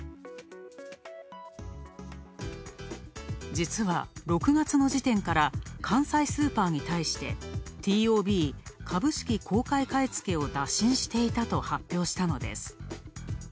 実は６月の時点から関西スーパーに対して、ＴＯＢ＝株式公開買い付けを打診していたと発表したのです。